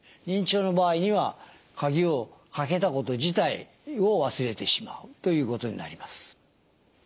認知症の場合には鍵をかけたこと自体を忘れてしまうということになります。